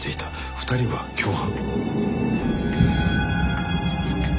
２人は共犯。